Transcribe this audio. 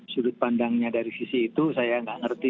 sudut pandangnya dari sisi itu saya nggak ngerti